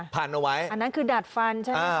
พันเอาไว้อันนั้นคือดัดฟันใช่ไหม